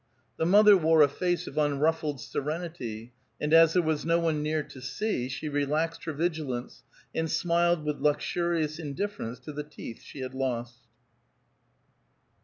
The mother wore a face of unruffled serenity, and as there was no one near to see, she relaxed her vigilance, and smiled with luxurious indifference to the teeth she had lost.